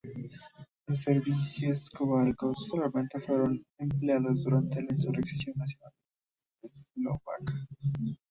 En servicio eslovaco, solamente fueron empleadas durante la Insurrección nacional eslovaca.